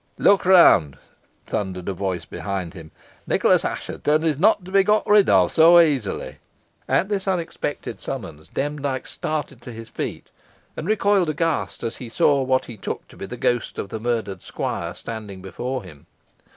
"Look round!" thundered a voice behind him. "Nicholas Assheton is not to be got rid of so easily." At this unexpected summons, Demdike started to his feet, and recoiled aghast, as he saw what he took to be the ghost of the murdered squire standing before him.